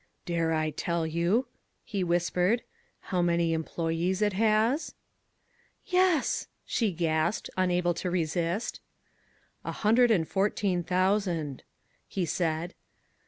"Dare I tell you," he whispered, "how many employees it has?" "Yes," she gasped, unable to resist. "A hundred and fourteen thousand," he said.